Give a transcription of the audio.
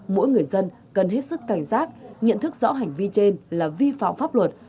mỗi người dân cần hết sức cảnh giác nhận thức rõ hành vi trên là vi phạm pháp luật